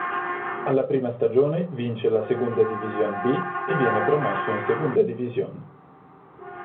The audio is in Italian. Alla prima stagione vince la Segunda División B e viene promosso in Segunda División.